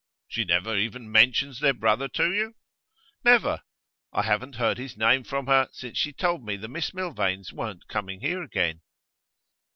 'She never even mentions their brother to you?' 'Never. I haven't heard his name from her since she told me the Miss Milvains weren't coming here again.